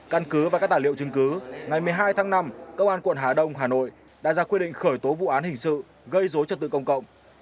căn cứ và các tài liệu chứng cứ ngày một mươi hai tháng năm công an quận hà đông hà nội đã ra quyết định khởi tố vụ án hình sự gây dối trật tự công cộng